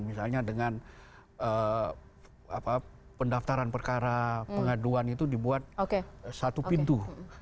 misalnya dengan pendaftaran perkara pengaduan itu dibuat satu pintu